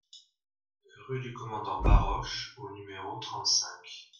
Rue du Commandant Baroche au numéro trente-cinq